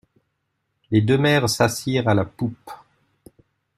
Les deux mères s'assirent à la poupe.